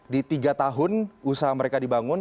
di tiga tahun usaha mereka dibangun